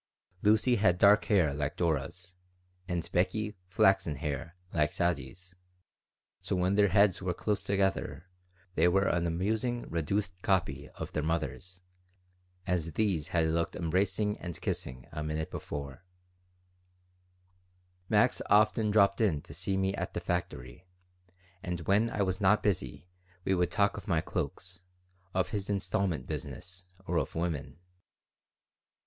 Lucy had dark hair like Dora's, and Beckie flaxen hair like Sadie's, so when their heads were close together they were an amusing reduced copy of their mothers as these had looked embracing and kissing a minute before Max often dropped in to see me at my factory, and when I was not busy we would talk of my cloaks, of his instalment business, or of women.